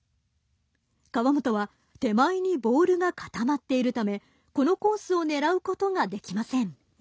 河本は手前にボールが固まっているためこのコースを狙うことができません。